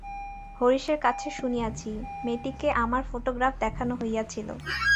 হরিশের কাছে শুনিয়াছি, মেয়েটিকে আমার ফোটোগ্রাফ দেখানো হইয়াছিল।